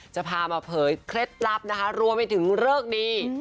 จะพามาเผยเคล็ดลับนะคะรวมไปถึงเลิกดี